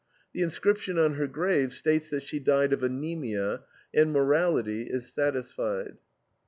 The inscription on her grave states that she died of anaemia, and morality is satisfied.